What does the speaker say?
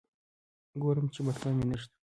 ګورم چې بټوه مې نشته.